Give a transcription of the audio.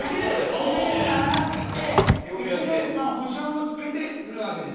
きれいに洗って１年間保証を付けて売るわけです。